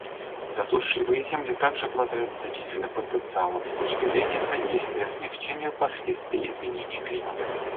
Засушливые земли также обладают значительным потенциалом с точки зрения содействия смягчению последствий изменения климата.